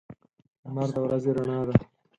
لمر د ورځې رڼا ده.